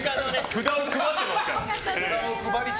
札を配ってますから。